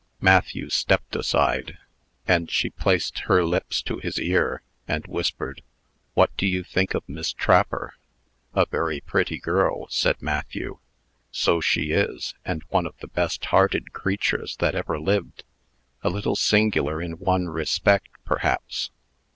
Matthew stepped aside; and she placed her lips to his ear, and whispered, "What do you think of Miss Trapper?" "A very pretty girl," said Matthew. "So she is; and one of the best hearted creatures that ever lived. A little singular in one respect, perhaps."